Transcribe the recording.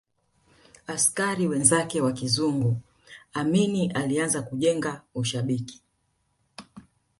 askari wenzake wa kizungu Amin alianza kujenga ushabiki